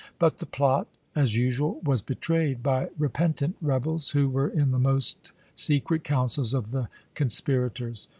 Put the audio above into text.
But the plot, as usual, was betrayed by repentant rebels who were in the most secret councils of the conspira tors.